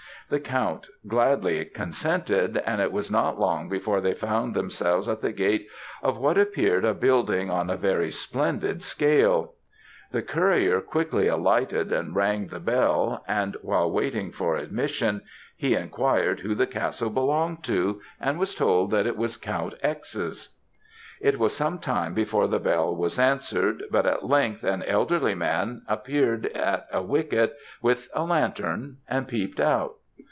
The count gladly consented, and it was not long before they found themselves at the gate of what appeared a building on a very splendid scale. The courier quickly alighted and rang at the bell, and while waiting for admission, he enquired who the castle belonged to, and was told that it was Count X's. "It was some time before the bell was answered, but at length an elderly man appeared at a wicket, with a lantern, and peeped out.